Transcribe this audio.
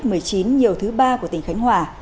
covid một mươi chín nhiều thứ ba của tỉnh khánh hòa